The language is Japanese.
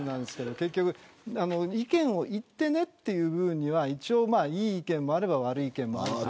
意見を言ってねという部分にはいい意見もあれば悪い意見もある。